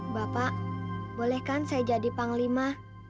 bapak bolehkan saya jadi panglima